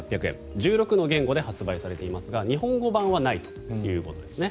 １６の言語で発売されていますが日本語版はないということです。